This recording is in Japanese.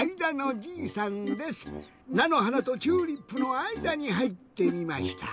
なのはなとチューリップのあいだにはいってみました。